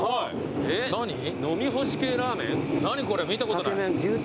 何これ見たことない。